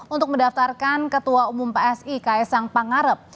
untuk mendaftarkan ketua umum psi ks sang pangarep